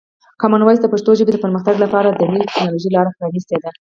کامن وایس د پښتو ژبې د پرمختګ لپاره د نوي ټکنالوژۍ لاره پرانیستې ده.